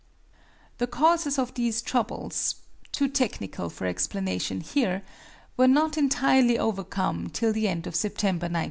The causes of these troubles too technical for explanation here were not entirely overcome till the end of September, 1905.